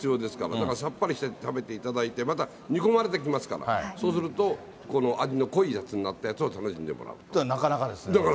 だからさっぱりして食べていただいて、また煮込まれてきますから、そうすると、味の濃いやつになったやなかなかですね。